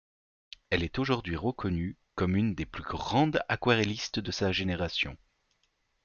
Elle est aujourd'hui reconnue comme une des plus grandes aquarellistes de sa génération.